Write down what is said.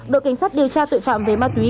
đội cảnh sát điều tra tội phạm về ma túy